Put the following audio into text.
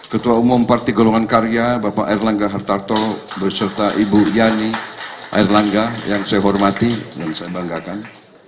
ketua umum partai golongan karya bapak erlangga hartarto beserta ibu yani air langga yang saya hormati dan saya banggakan